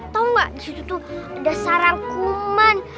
tahu nggak di situ tuh ada sarang kuman